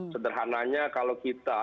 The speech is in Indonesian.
sederhananya kalau kita